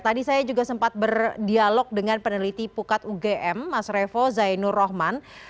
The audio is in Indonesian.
tadi saya juga sempat berdialog dengan peneliti pukat ugm mas revo zainur rohman